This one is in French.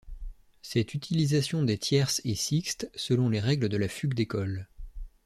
Cette utilisation des tierces et sixtes, selon les règles de la fugue d'école.